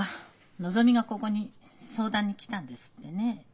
のぞみがここに相談に来たんですってね？